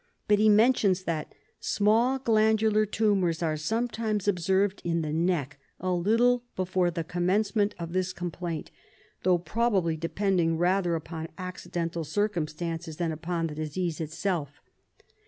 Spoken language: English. But he mentions that "small glan dular tumours are sometimes observed in the neck a little before the commencement of this complaint, though prob ably depending rather upon accidental circumstances than upon the disease itself.